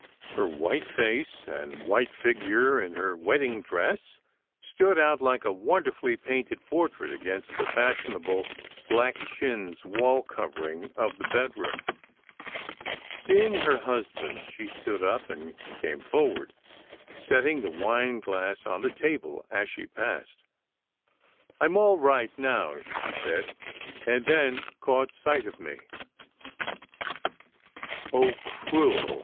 Her white face and white figure in her wedding dress stood out like a wonderfully painted portrait against the fashion able black chintz wall covering of the bedroom. Seeing her husband, she stood up and came forward, setting the wineglass on the table as she passed. "I m all right now," she said, and then caught sight of me. " Oh, cruel !